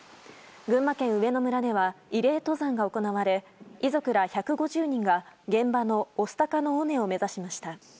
群馬県上野村では慰霊登山が行われ遺族ら１５０人が現場の御巣鷹の尾根を目指しました。